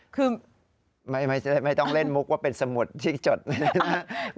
อ๋อคือไม่ต้องเล่นมุกว่าเป็นสมุทรชิกจดนะ